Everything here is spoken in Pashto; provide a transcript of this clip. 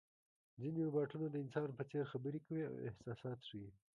ځینې روباټونه د انسان په څېر خبرې کوي او احساسات ښيي.